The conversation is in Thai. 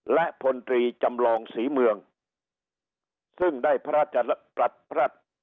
และพลตรีจำลองศรีเมืองซึ่งได้พระราชปรัฐ